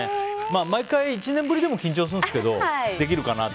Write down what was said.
毎回１年ぶりでも緊張するんですけどできるかなって。